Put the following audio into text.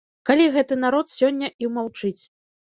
Калі гэты народ сёння і маўчыць.